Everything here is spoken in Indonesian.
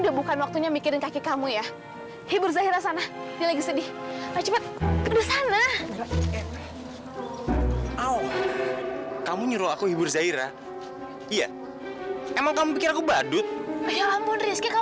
ontengnya ada beberapa jururawat yang akan